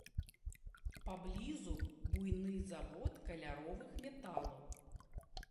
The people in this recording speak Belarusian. Паблізу буйны завод каляровых металаў.